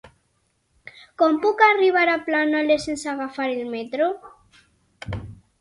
Com puc arribar a Planoles sense agafar el metro?